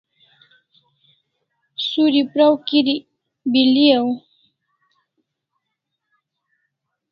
Suri praw kirik beli'au